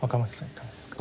いかがですか。